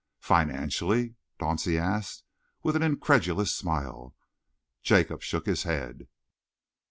"Financially?" Dauncey asked, with an incredulous smile. Jacob shook his head.